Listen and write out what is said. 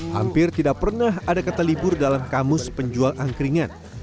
hampir tidak pernah ada kata libur dalam kamus penjual angkringan